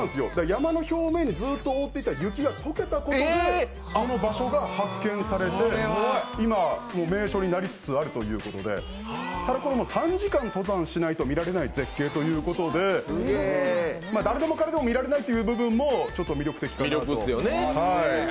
山の表面をずっと覆っていた雪が溶けたことでこの場所が発見されて今、もう名所になりつつあるということで、これ、３時間登山しないと見られない絶景ということで誰でもかれでも見られないという部分も魅力的かなと。